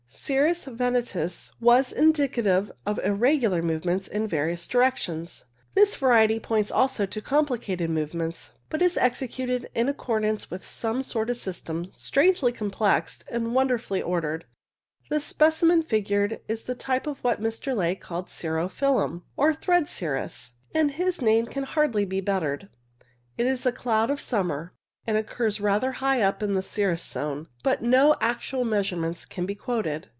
Cirrus ventosus was indicative of irregular movements in various directions ; this variety points also to com plicated movements, but executed in accordance with some sort of system, strangely complex and wonderfully ordered. The specimen figured is the type of what Mr. Ley called cirro filum, or thread cirrus, and his name can hardly be bettered. It is a cloud of summer, and occurs rather high up in the cirrus zone, but no actual measurements can be quoted.